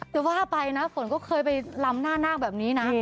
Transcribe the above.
แต่ว่าไปเนอะฝนก็เคยไปลำหน้าแบบนี้นะ